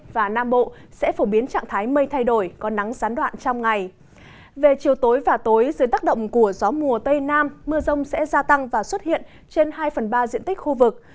về chiều tối và tối dưới tác động của gió mùa tây nam mưa rông sẽ gia tăng và xuất hiện trên hai phần ba diện tích khu vực